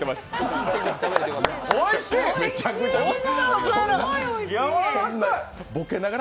おいしい！